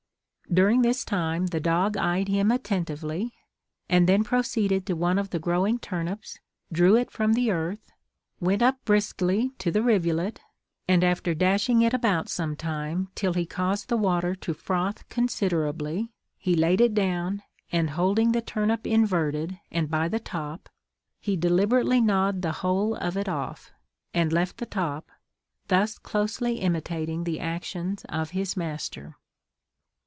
During this time the dog eyed him attentively, and then proceeded to one of the growing turnips, drew it from the earth, went up briskly to the rivulet, and after dashing it about some time till he caused the water to froth considerably, he laid it down, and holding the turnip inverted, and by the top, he deliberately gnawed the whole of it off, and left the top, thus closely imitating the actions of his master.